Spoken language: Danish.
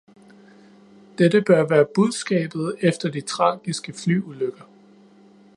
Dette bør være budskabet efter de tragiske flyulykker.